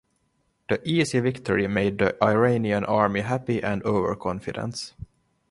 The easy victory made the Iranian army happy and overconfident.